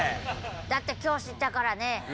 だって今日知ったからね。